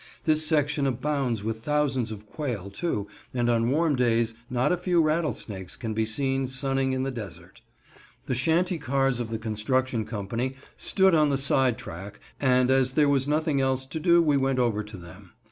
This section abounds with thousands of quail, too, and on warm days not a few rattlesnakes can be seen sunning in the desert. The shanty cars of the construction company stood on the side track, and as there was nothing else to do we went over to them.